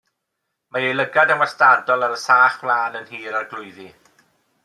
Mae ei lygad yn wastadol ar y sach wlân yn Nhŷ'r Arglwyddi.